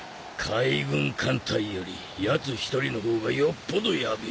海軍艦隊よりやつ一人の方がよっぽどヤベえ。